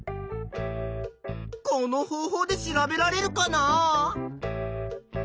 この方法で調べられるかな？